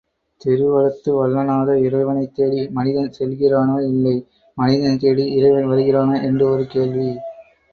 திருவலத்து வல்லநாதர் இறைவனைத் தேடி மனிதன் செல்கிறானா, இல்லை மனிதனைத் தேடி இறைவன் வருகிறானா என்று ஒரு கேள்வி.